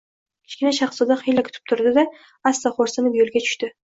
Kichkina shahzoda xiyla kutib turdi-da, asta xo‘rsinib, yo‘lga tushdi.